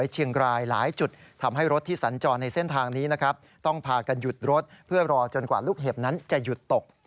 เชียงรายหลายจุดทำให้รถที่สัญจรในเส้นทางนี้นะครับต้องพากันหยุดรถเพื่อรอจนกว่าลูกเห็บนั้นจะหยุดตก